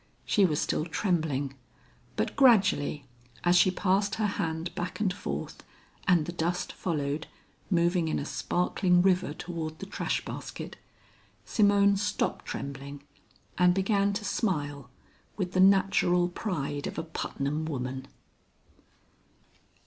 She was still trembling, but gradually, as she passed her hand back and forth, and the dust followed, moving in a sparkling river toward the trash basket, Simone stopped trembling and began to smile with the natural pride of a Putnam woman.